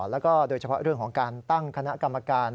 แล้วก็โดยเฉพาะเรื่องของการตั้งคณะกรรมการ